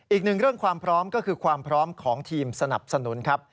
อีกหนึ่งเรื่องความพร้อมก็คือความพร้อมของทีมสนับสนุนครับ